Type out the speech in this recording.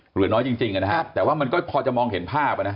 เหลือน้อยจริงนะฮะแต่ว่ามันก็พอจะมองเห็นภาพอ่ะนะ